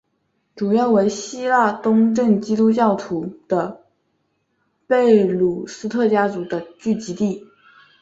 主要为希腊东正教基督徒的贝鲁特家庭的聚居地。